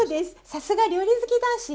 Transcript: さすが料理好き男子！